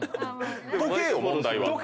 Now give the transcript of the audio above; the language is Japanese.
時計よ問題は。